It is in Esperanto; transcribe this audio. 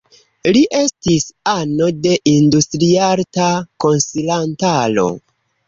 Li estis ano de Industriarta Konsilantaro.